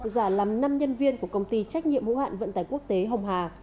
giả làm năm nhân viên của công ty trách nhiệm vũ hạn vận tài quốc tế hồng hà